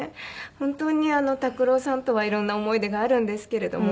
本当に拓郎さんとはいろんな思い出があるんですけれども。